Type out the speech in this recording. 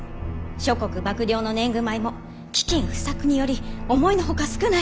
諸国幕領の年貢米も飢きん不作により思いのほか少ない。